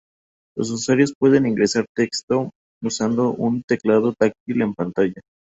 Los usuarios pueden ingresar texto usando un teclado táctil en pantalla.